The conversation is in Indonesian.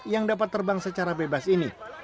yang dapat terbang secara bebas ini